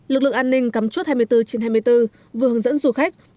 lực lượng an ninh cắm chốt hai mươi bốn trên hai mươi bốn vừa hướng dẫn du khách